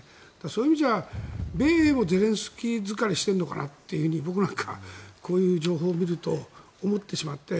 そういう意味では米英もディフェンス疲れしているのかなって僕なんかこういう情報を見ると思ってしまって。